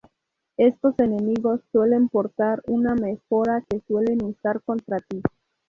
Estos enemigos suelen portar una mejora que suelen usar contra ti.